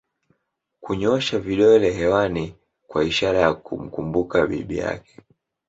kunyoosha vidole hewani kwa ishara ya kumkumbuka bibi yake